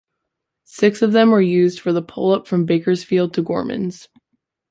Six of them were used for the pull up from Bakersfield to Gorman's.